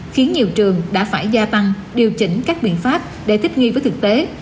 khiến nhiều trường đã phải gia tăng điều chỉnh các biện pháp để thích nghi với thực tế